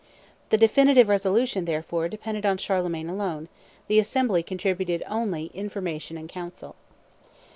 The definitive resolution, therefore, depended upon Charlemagne alone; the assembly contributed only information and counsel.